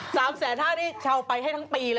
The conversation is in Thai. ๓๕๐๐๐๐บาทนี่เขาไปให้ทั้งปีเลย